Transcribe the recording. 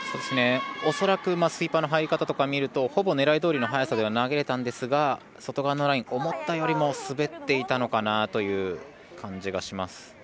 恐らくスイーパーの入り方とか見るとほぼ、狙いどおりの速さでは投げれたんですが外側のライン、思ったよりも滑っていたのかなという感じがします。